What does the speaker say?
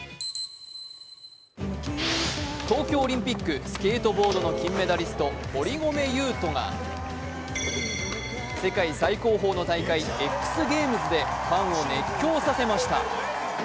東京オリンピックスケートボードの金メダリスト堀米悠斗が世界最高峰の大会、ＸＧＡＭＥＳでファンを熱狂させました。